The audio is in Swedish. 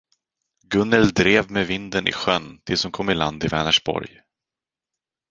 Gunnel drev med vinden i sjön tills hon kom i land i Vänersborg.